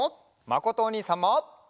まことおにいさんも！